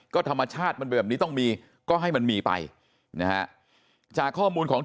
ก็ธรรมชาติมันเป็นแบบนี้ต้องมีก็ให้มันมีไปนะฮะจากข้อมูลของ